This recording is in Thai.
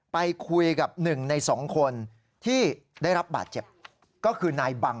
ไปคุยกับหนึ่งในสองคนที่ได้รับบาดเจ็บก็คือนายบัง